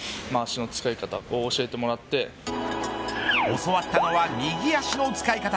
教わったのは右足の使い方。